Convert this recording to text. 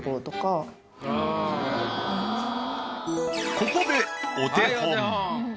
ここでお手本。